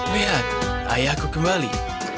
lihat ayahku kembali